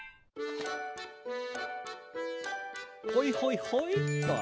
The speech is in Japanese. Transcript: ほいほいほいっと。